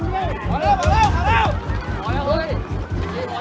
แท้น้ำหน้า